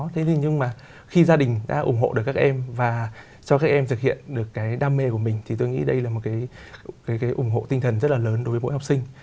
thế nhưng mà khi gia đình đã ủng hộ được các em và cho các em thực hiện được cái đam mê của mình thì tôi nghĩ đây là một cái ủng hộ tinh thần rất là lớn đối với mỗi học sinh